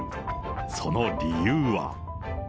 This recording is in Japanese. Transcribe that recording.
その理由は。